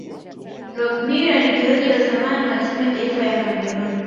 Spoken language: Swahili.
rogermiller ni mchezaji wa zamani wa timu ya taifa ya cameroon